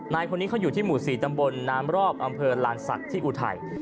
นายคนนี้เขาอยู่ที่หมู่๔ตำบลน้ำรอบอำเภอลานศักดิ์ที่อุทัย